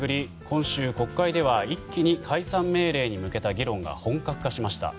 今週、国会では一気に解散命令に向けた議論が本格化しました。